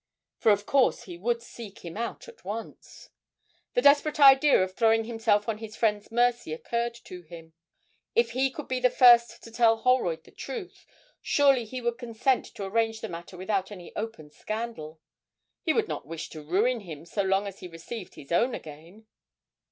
for of course he would seek him out at once. The desperate idea of throwing himself on his friend's mercy occurred to him; if he could be the first to tell Holroyd the truth, surely he would consent to arrange the matter without any open scandal! He would not wish to ruin him so long as he received his own again.